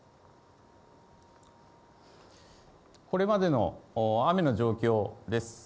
これまでの雨の状況です。